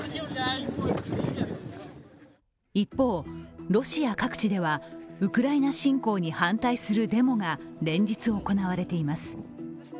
一方、ロシア各地ではウクライナ侵攻に反対するデモが連日行われています。